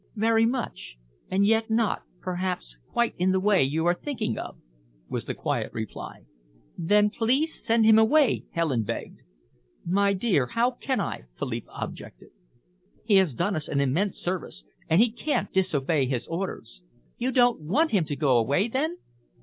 "Very much, and yet not, perhaps, quite in the way you are thinking of," was the quiet reply. "Then please send him away," Helen begged. "My dear, how can I?" Philippa objected. "He has done us an immense service, and he can't disobey his orders." "You don't want him to go away, then?"